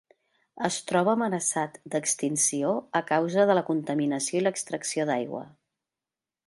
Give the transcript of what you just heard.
Es troba amenaçat d'extinció a causa de la contaminació i l'extracció d'aigua.